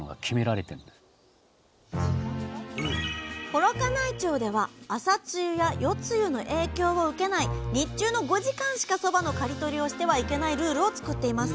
幌加内町では朝露や夜露の影響を受けない日中の５時間しかそばの刈り取りをしてはいけないルールを作っています。